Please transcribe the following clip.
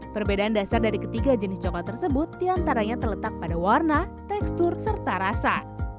perbedaan dasar dari ketiga jenis coklat tersebut diantaranya terletak pada warna tekstur serta rasa